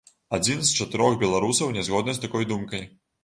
Адзін з чатырох беларусаў нязгодны з такой думкай.